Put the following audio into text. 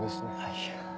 いや。